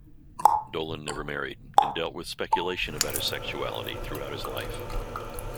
Dolan never married and dealt with speculation about his sexuality throughout his life.